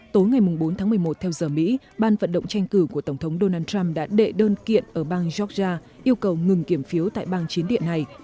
tối ngày bốn tháng một mươi một theo giờ mỹ ban vận động tranh cử của tổng thống donald trump đã đệ đơn kiện ở bang georgia yêu cầu ngừng kiểm phiếu tại bang chiến địa này